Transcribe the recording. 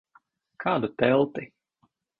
Kādu telti?